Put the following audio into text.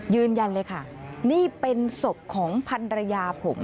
ยืนยันเลยค่ะนี่เป็นศพของพันรยาผม